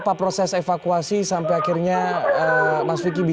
kalau setelah itu saya lihat diri saya wkwkwkwkwkwk